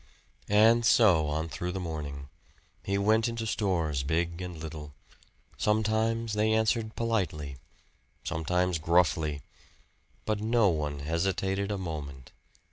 And so on through the morning. He went into stores, big and little. Sometimes they answered politely sometimes gruffly; but no one hesitated a moment.